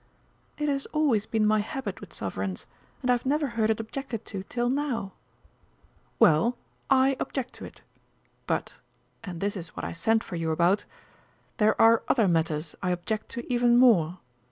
'" "It has always been my habit with Sovereigns, and I have never heard it objected to till now." "Well, I object to it. But and this is what I sent for you about there are other matters I object to even more.